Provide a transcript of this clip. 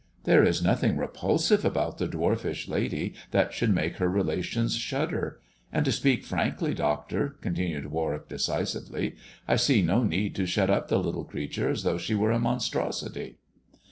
There is nothing re pulsive about the dwarfish lady that should make her relations shudder. And to speak frankly, doctor," con tinued Warwick decisively, " I see no need to shut up the little creature as though she were a monstrosity."